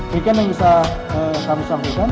demikian yang bisa kami sampaikan